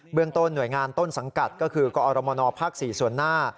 เรื่องต้นหน่วยงานต้นสังกัดก็คือกอรมนภ๔ส่วนหน้า